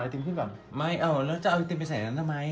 โฉยูเอาก็เอาอันติมไปใส่ทางนั้นทำไม